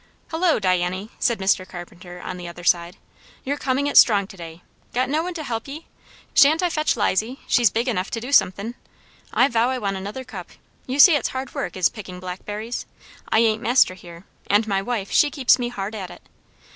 "Hullo, Diany!" said Mr. Carpenter on the other side, "you're coming it strong to day. Got no one to help ye? Sha'n't I fetch 'Lizy? she's big enough to do som'thin'. I vow I want another cup. You see, it's hard work, is picking blackberries. I ain't master here; and my wife, she keeps me hard at it.